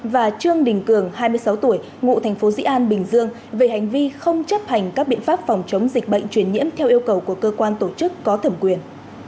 và trương đình cường hai mươi sáu tuổi ngụ thành phố dĩ an bình dương về hành vi không chấp hành các biện pháp phòng chống dịch bệnh truyền nhiễm theo yêu cầu của cơ quan tổ chức có thẩm quyền